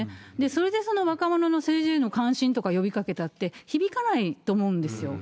それで若者の政治への関心とか呼びかけたって響かないと思うんですよ。